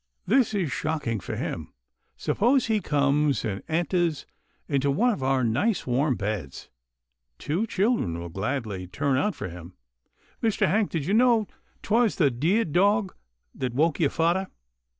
This is shocking for him. Suppose he comes and entahs into one of our nice, warm beds. Two children will gladly turn out for him — Mr. Hank, did you know 'twas the deah dog that woke your fathah